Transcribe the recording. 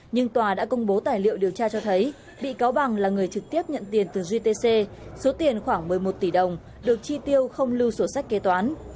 nhưng tòa đã công bố tài liệu điều tra cho thấy bị cáo bằng là người trực tiếp nhận tiền từ gtc số tiền khoảng một mươi một tỷ đồng được chi tiêu không lưu sổ sách kế toán